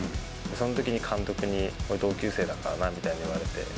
そのときに監督に同級生だからなみたいに言われて。